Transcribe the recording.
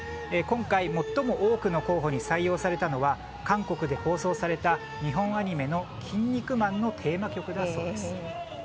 今回、最も多くの候補に採用されたのは韓国で放送された日本アニメの「キン肉マン」のテーマ曲だそうです。